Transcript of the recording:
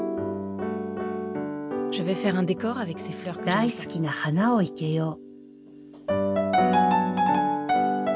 大好きな花を生けよう。